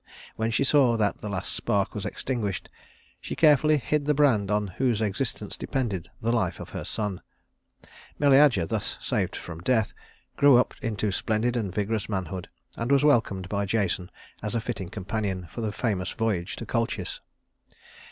When she saw that the last spark was extinguished, she carefully hid the brand on whose existence depended the life of her son. Meleager, thus saved from death, grew up into splendid and vigorous manhood, and was welcomed by Jason as a fitting companion for the famous voyage to Colchis.